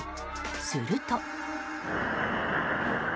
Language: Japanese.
すると。